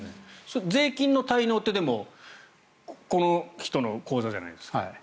税金の滞納って、でもこの人の口座じゃないですか。